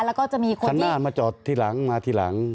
แล้วก็จะมีคนคันหน้ามาจอดทีหลังมาทีหลัง